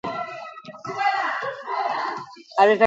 Eguneroko bizitzako egoerak dira.